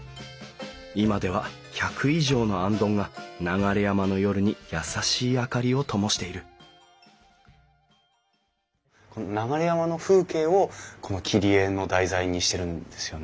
今では１００以上の行灯が流山の夜に優しい明かりをともしている流山の風景を切り絵の題材にしてるんですよね。